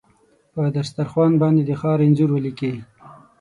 په دسترخوان باندې د ښار انځور ولیکې